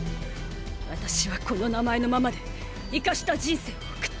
私はこの名前のままでイカした人生を送ってやる。